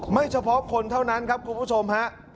เฉพาะคนเท่านั้นครับคุณผู้ชมฮะ